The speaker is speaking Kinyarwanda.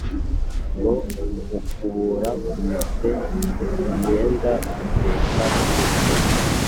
nko gukubura, kumesa imyenda, guteka, gusya,